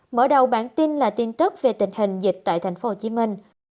mở đầu bản tin là tin tức về tình hình dịch tại thành phố hồ chí minh